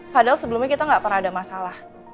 padahal sebelumnya kita nggak pernah ada masalah